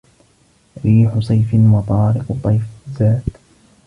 ريح صيف وطارق طيف ز